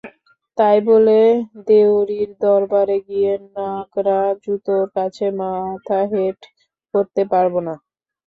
তাই বলে দেউড়ির দরবারে গিয়ে নাগরা জুতোর কাছে মাথা হেঁট করতে পারব না।